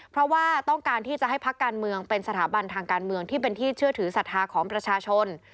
เพราะว่าต้องการที่จะให้พักการเมืองเป็นสถาบันทางการเมืองที่เป็นที่เชื่อถือศรัทธาของประชาชน